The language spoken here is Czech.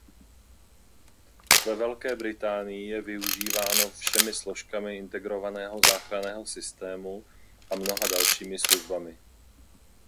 Ve Velké Británii je využíváno všemi složkami integrovaného záchranného systému a mnoha dalšími službami.